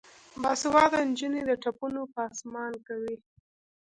باسواده نجونې د ټپونو پانسمان کوي.